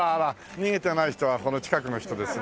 逃げてない人はこの近くの人ですね。